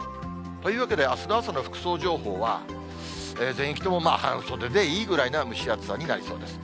というわけで、あすの朝の服装情報は、全域とも半袖でいいぐらいな蒸し暑さになりそうです。